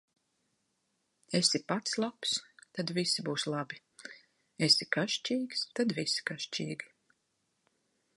Esi pats labs, tad visi būs labi; esi kašķīgs, tad visi kašķīgi.